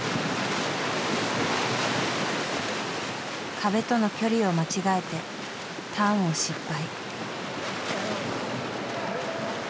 壁との距離を間違えてターンを失敗。